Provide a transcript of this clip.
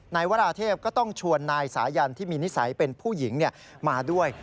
นายวราเทพก็ต้องชวนนายสายันที่มีนิสัยเป็นผู้หญิงมาด้วย